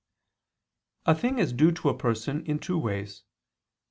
A thing is due to a person in two ways.